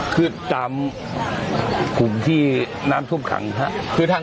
คือตามกลุ่มที่น้ำท่วมขังครับ